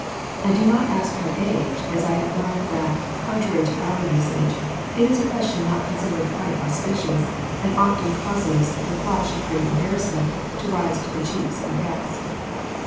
I do not ask her age, as I have learned that, contrary to our usage, it is a question not considered quite auspicious, and often causes the flush of great embarrassment to rise to the cheek of a guest.